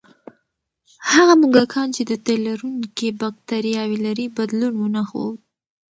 هغه موږکان چې د تیلرونکي بکتریاوې لري، بدلون ونه ښود.